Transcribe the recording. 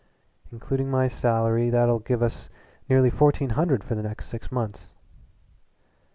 "Inducing my salary, that'll give us nearly fourteen hundred for the next six months."